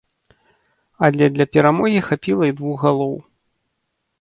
Але для перамогі хапіла і двух галоў.